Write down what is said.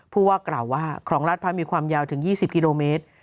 ผู้ว่ากล่าวว่าคลองราชพร้าวมีความยาวถึง๒๐กิโลเมตร